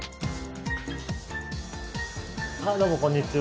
どうもこんにちは。